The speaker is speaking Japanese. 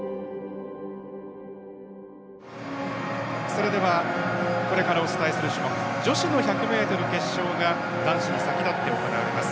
それではこれからお伝えする種目女子の１００ｍ決勝が男子に先立って行われます。